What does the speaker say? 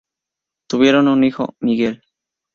Tuvieron un hijo, Miguel.